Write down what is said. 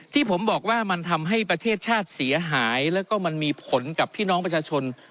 ที่ผมบอกว่ามันทำให้ประเทศชาติเสียหายแล้วก็มันมีผลกับพี่น้องประชาชน